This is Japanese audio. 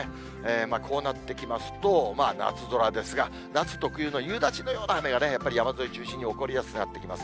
こうなってきますと、夏空ですが、夏特有の夕立のような雨が、やっぱり山沿いを中心に起こりやすくなってきます。